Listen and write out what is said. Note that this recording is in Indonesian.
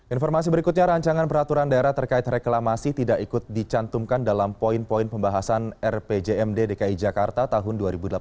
informasi berikutnya rancangan peraturan daerah terkait reklamasi tidak ikut dicantumkan dalam poin poin pembahasan rpjmd dki jakarta tahun dua ribu delapan belas